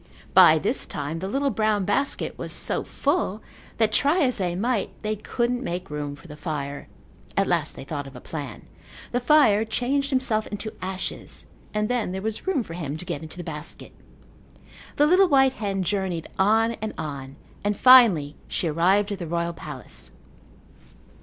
By this time the little brown basket was so full, that, try as they might, they couldn't make room for the fire. At last they thought of a plan. The fire changed himself into ashes and then there was room for him to get into the basket. The little white hen journeyed on and on, and finally she arrived at the royal palace.